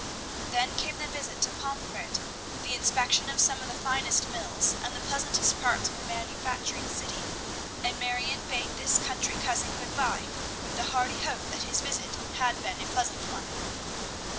Then came the visit to Pomfret, the inspection of some of the finest mills, and of the pleasantest parts of the manufacturing city; and Marion bade this country cousin good by, with the hearty hope that his visit had been a pleasant one.